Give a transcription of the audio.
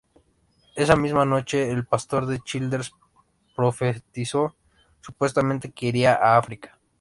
Esa misma noche, el pastor de Childers profetizó supuestamente que iría a África.